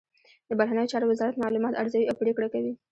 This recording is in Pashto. د بهرنیو چارو وزارت معلومات ارزوي او پریکړه کوي